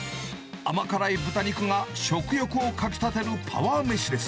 甘辛い豚肉が食欲をかき立てるパワー飯です。